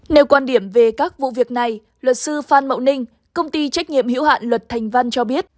nêu quan điểm về các vụ việc này luật sư phan mậu ninh công ty trách nhiệm hữu hạn luật thành văn cho biết